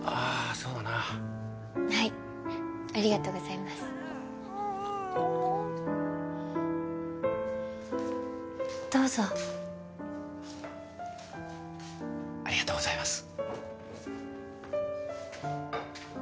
そうだなはいありがとうございますどうぞありがとうございます